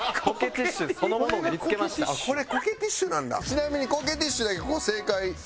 ちなみにコケティッシュだけここ正解。